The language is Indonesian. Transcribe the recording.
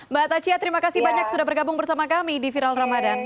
mbak tachia terima kasih banyak sudah bergabung bersama kami di viral ramadan